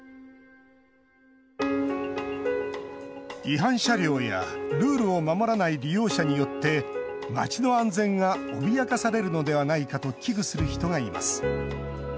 違反車両やルールを守らない利用者によって街の安全が脅かされるのではないかと危惧する人がいます。